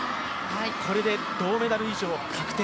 これで銅メダル以上確定。